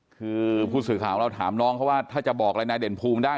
คือผู้สื่อข่าวของเราถามน้องเขาว่าถ้าจะบอกอะไรนายเด่นภูมิได้